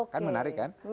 kan menarik kan